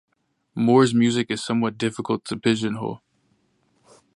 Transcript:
Moore's music is somewhat difficult to pigeonhole.